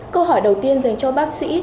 câu hỏi đầu tiên dành cho bác sĩ